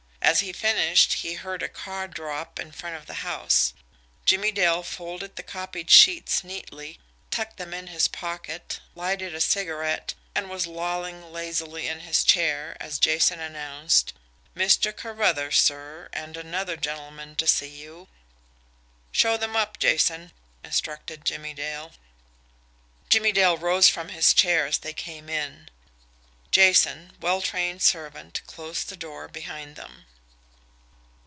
As he finished, he heard a car draw up in front of the house. Jimmie Dale folded the copied sheets neatly, tucked them in his pocket, lighted a cigarette, and was lolling lazily in his chair as Jason announced: "Mr. Carruthers, sir, and another gentleman to see you." "Show them up, Jason," instructed Jimmie Dale. Jimmie Dale rose from his chair as they came in. Jason, well trained servant, closed the door behind them.